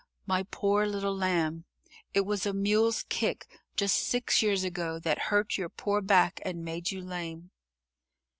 "My poor little lamb. It was a mule's kick, just six years ago, that hurt your poor back and made you lame."